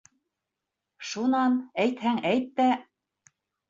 — Шунан, әйтһәң әйт тә.